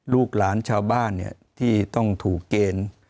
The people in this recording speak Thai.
ลูกหลานชาวบ้านที่ต้องถูกเกณฑ์